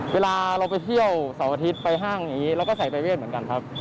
เวลาเราไปเที่ยวเสาร์อาทิตย์ไปห้างอย่างนี้เราก็ใส่ใบเวทเหมือนกันครับ